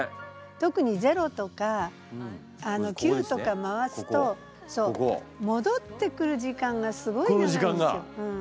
特に０とか９とか回すともどってくる時間がすごい長いんですよ。